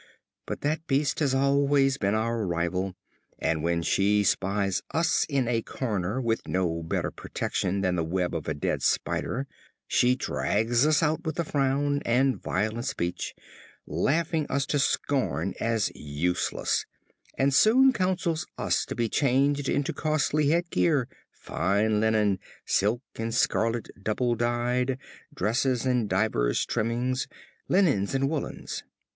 But that beast has always been our rival, and when she spies us in a corner, with no better protection than the web of a dead spider, she drags us out with a frown and violent speech, laughing us to scorn as useless, and soon counsels us to be changed into costly head gear, fine linen, silk and scarlet double dyed, dresses and divers trimmings, linens and woolens.